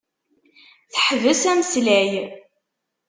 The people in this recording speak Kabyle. Teḥbes ameslay.